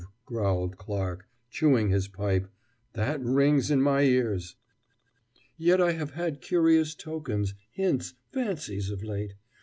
growled Clarke, chewing his pipe, "that rings in my ears!" Yet I have had curious tokens, hints, fancies, of late.